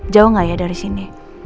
jauh nggak ya dari sini